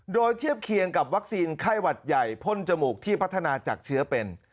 โดยเทียบเคียงกับวัคซีนไข้หวัดใหญ่พ่นจมูกที่พัฒนาจากเชื้อเป็น